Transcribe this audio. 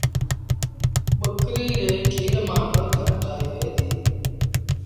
ٻڪريٚ ري کير مآݩ با جھڻ ٺآهيٚ وهي ديٚ۔